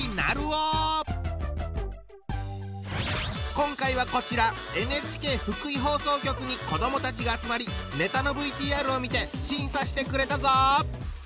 今回はこちらＮＨＫ福井放送局に子どもたちが集まりネタのＶＴＲを見て審査してくれたぞ。